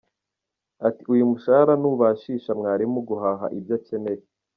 Ati “Uyu mushahara ntubashisha mwarimu guhaha ibyo akeneye.